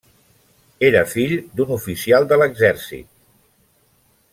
Era fill d'un oficial de l'exèrcit.